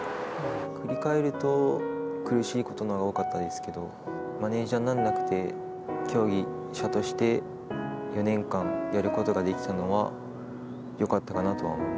振り返ると、苦しいことのほうが多かったですけど、マネージャーにならなくて、競技者として４年間やることができたのは、よかったかなとは思い